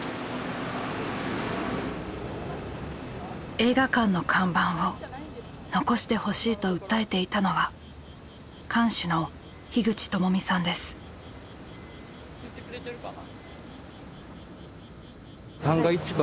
映画館の看板を残してほしいと訴えていたのは言ってくれてるかな。